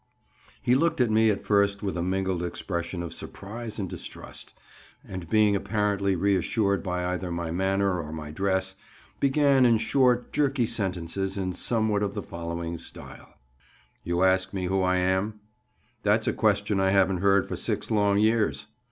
He looked at me at first with a mingled expression of surprise and distrust, but being apparently reassured by either my manner or my dress, began in short, jerky sentences in something of the following style: "You ask me who I am. That's a question I haven't heard for six long years.